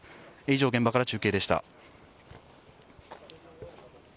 以上、現場から中継でした。